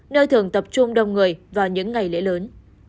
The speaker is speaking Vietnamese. nơi thường tập trung đông người vào những ngày lễ lớn